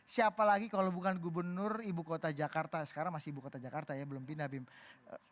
siapa lagi kalau bukan gubernur ibu kota jakarta sekarang masih ibu kota jakarta ya belum pindah pindah